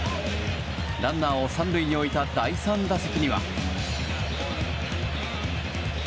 ランナーを３塁に置いた第３打席には。